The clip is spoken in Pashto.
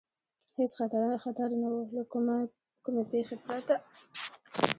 هېڅ خطر نه و، له کومې پېښې پرته.